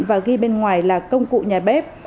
và ghi bên ngoài là công cụ nhà bếp